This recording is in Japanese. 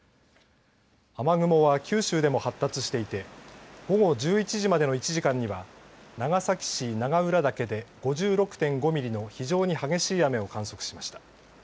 雨雲は、九州でも発達していて午後１１時までの１時間には長崎市長浦岳で５６．５ミリの非常に激しい雨を観測しました。